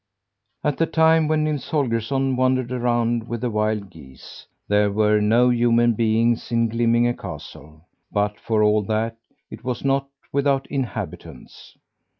At the time when Nils Holgersson wandered around with the wild geese, there were no human beings in Glimminge castle; but for all that, it was not without inhabitants.